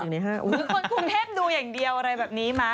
คือคนกรุงเทพดูอย่างเดียวอะไรแบบนี้มั้